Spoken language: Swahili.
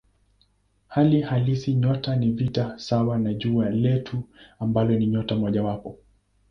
Hali halisi nyota ni vitu sawa na Jua letu ambalo ni nyota mojawapo.